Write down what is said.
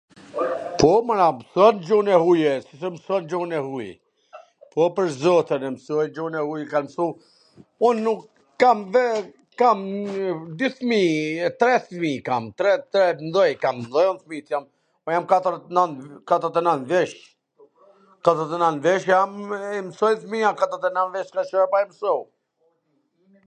po mor, a mson gjuhn e huj e, si s e mwson gjun e huj, po, pwr zotin, e msojn gjun e huj, kan msu... Un nuk kam, kam dy fmij, e tre fmij kam, tre tre t mdhej kam, dhe jam katwrdhet e nant, katwrdhet e nant vjec jam, e i msojn fmija, katwrdhet e nant vjeC Ca me ba me msu